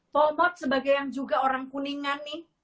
poh mak sebagai yang juga orang kuningan nih